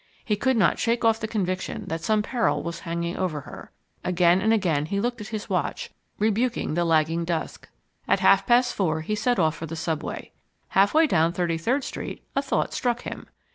He could not shake off the conviction that some peril was hanging over her. Again and again he looked at his watch, rebuking the lagging dusk. At half past four he set off for the subway. Half way down Thirty third Street a thought struck him.